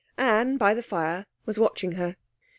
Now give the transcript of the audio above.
Anne, by the fire, was watching her.